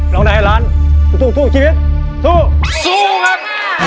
เราในไอล้านกลุ่มทู่คนชีวิตสู้ครับ